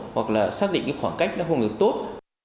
hoặc là xác định cái khoảng cách đã không được tốt